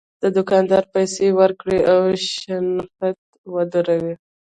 د دوکاندار پیسې ورکړي او شنخته ودروي.